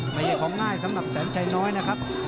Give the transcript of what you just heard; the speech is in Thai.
ไม่ใช่ของง่ายสำหรับแสนชัยน้อยนะครับ